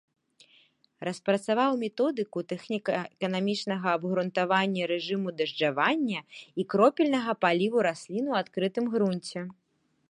Распрацаваў методыку тэхніка-эканамічнага абгрунтавання рэжыму дажджавання і кропельнага паліву раслін у адкрытым грунце.